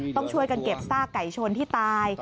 ต้องช่วยกันเก็บซากไก่ชนที่ตาย